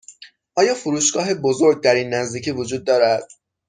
آیا فروشگاه بزرگ در این نزدیکی وجود دارد؟